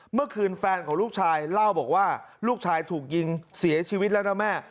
เมื่อคืนแฟนของลูกชายเล่าบอกว่าลูกชายถูกยิงเสียชีวิตแล้วนะแม่